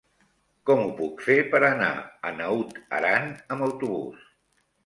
Com ho puc fer per anar a Naut Aran amb autobús?